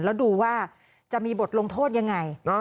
แล้วดูว่าจะมีบทลงโทษยังไง